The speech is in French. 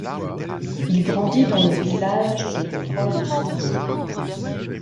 Il grandit dans le village de Froltsovo.